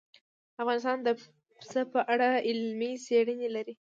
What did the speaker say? افغانستان د پسه په اړه علمي څېړنې لري.